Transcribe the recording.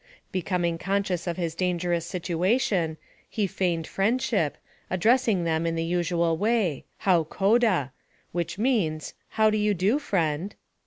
Becoming conscious of his dangerous situation, he feigned friendship, addressing them in the usual way, " How koda ?" which means, How do you do, friend